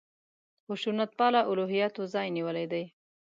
خشونت پاله الهیاتو ځای نیولی دی.